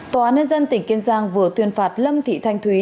tòa án nhân dân tỉnh kiên giang vừa tuyên phạt lâm thị thanh thúy